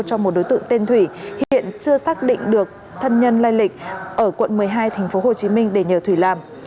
cho một đối tượng tên thủy hiện chưa xác định được thân nhân lây lịch ở quận một mươi hai tp hcm để nhờ thủy làm